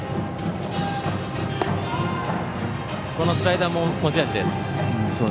スライダーも持ち味です。